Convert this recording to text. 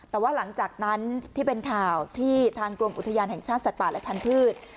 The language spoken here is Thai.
แต่ว่าหลังจากนั้นที่เป็นข่าวที่ทางกรมอุทยานแห่งชาติสัตว์ป่าและพันธุ์